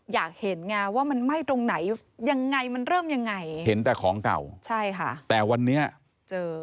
อยากเห็นไงว่ามันไหม้ตรงไหนยังไงมันเริ่มยังไงเห็นแต่ของเก่าใช่ค่ะแต่วันนี้เจอ